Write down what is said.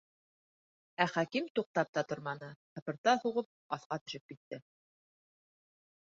Ә Хәким туҡтап та торманы, һыпырта һуғып, аҫҡа төшөп китте.